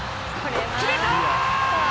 決めた！